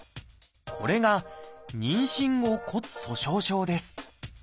これが「妊娠後骨粗しょう症」です。